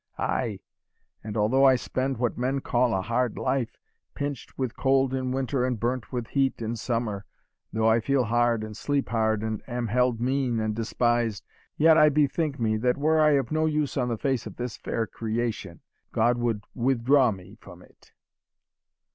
Ay, and although I spend what men call a hard life, pinched with cold in winter, and burnt with heat in summer, though I feed hard and sleep hard, and am held mean and despised, yet I bethink me, that were I of no use on the face of this fair creation, God would withdraw me from it."